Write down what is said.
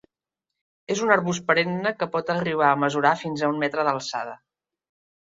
És un arbust perenne que pot arribar a mesurar fins a un metre d'alçada.